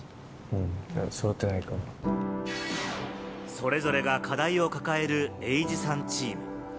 それぞれが課題を抱えるエイジさんチーム。